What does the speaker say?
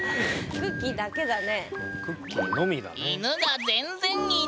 クッキーのみだね。